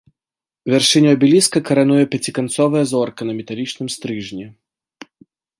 Вяршыню абеліска карануе пяціканцовая зорка на металічным стрыжні.